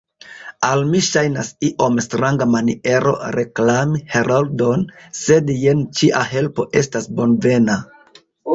Al mi ŝajnas iom stranga maniero reklami Heroldon, sed jen ĉia helpo estas bonvena.